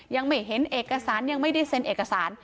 ยังไม่เห็นเอกสารยังไม่ได้เซ็นเอกสาร